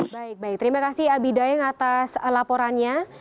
baik baik terima kasih abidain atas laporannya